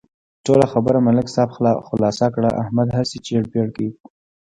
ټوله خبره ملک صاحب خلاصه کړله، احمد هسې چېړ پېړ کوي.